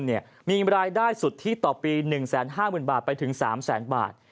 มีเงินบรายได้สุดที่ต่อปี๑๕๐๐๐๐บาทไปถึง๓๐๐๐๐๐บาท